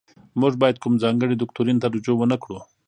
موږ باید کوم ځانګړي دوکتورین ته رجوع ونکړو.